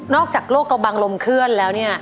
อกจากโรคกระบังลมเคลื่อนแล้วเนี่ย